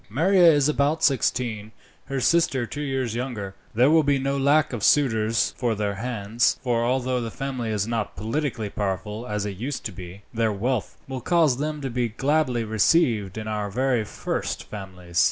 "Maria is about sixteen, her sister two years younger. There will be no lack of suitors for their hands, for although the family is not politically powerful, as it used to be, their wealth would cause them to be gladly received in our very first families."